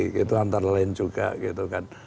gitu antara lain juga gitu kan